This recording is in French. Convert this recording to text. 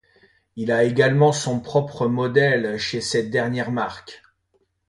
Il a également son propre modèle chez cette dernière marque.